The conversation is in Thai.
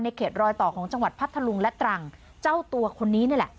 เขตรอยต่อของจังหวัดพัทธลุงและตรังเจ้าตัวคนนี้นี่แหละ